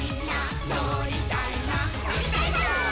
「のりたいぞ！」